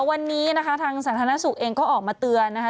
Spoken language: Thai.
วันนี้นะคะทางสาธารณสุขเองก็ออกมาเตือนนะคะ